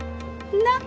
なっ？